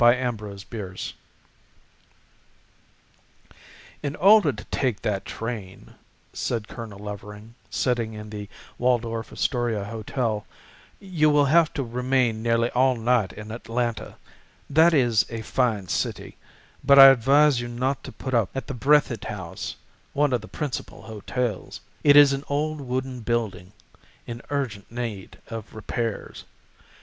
THE OTHER LODGERS "IN order to take that train," said Colonel Levering, sitting in the Waldorf Astoria hotel, "you will have to remain nearly all night in Atlanta. That is a fine city, but I advise you not to put up at the Breathitt House, one of the principal hotels. It is an old wooden building in urgent need of repairs.